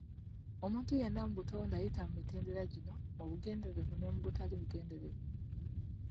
Omuntu yenna mu butonde ayita mu mitendera gino, mu bugenderevu ne mu butali bugenderevu.